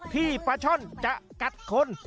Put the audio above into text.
ที่ปลาช่อนจะกัดคน